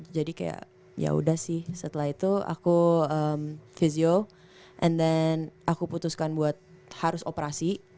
kayak yaudah sih setelah itu aku visual and then aku putuskan buat harus operasi